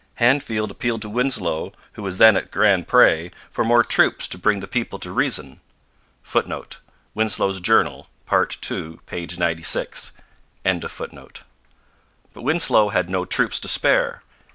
Handfield appealed to Winslow, who was then at Grand Pre, for more troops to bring the people to reason. [Footnote: Winslow's Journal, part ii, p. 96.] But Winslow had no troops to spare.